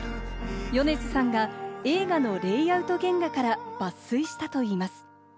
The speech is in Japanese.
米津さんが映画のレイアウト原画から抜粋したといいます。